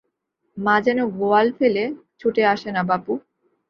মা যেন গোয়াল ফেলে ছুটে আসে না বাপু।